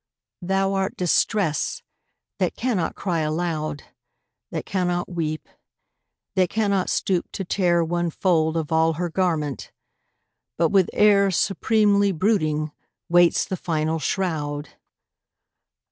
Thou art Distress — ^that cannot cry alou<^ That cannot weep, that cannot stoop to tear One fold of all her garment, but with air Supremely brooding waits the final shroud